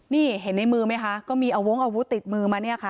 นี่เห็นในมือไหมคะก็มีอาวงอาวุธติดมือมาเนี่ยค่ะ